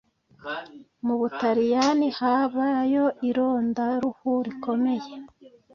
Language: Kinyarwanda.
mubutaliyani habayo ironda ruhu rikomeye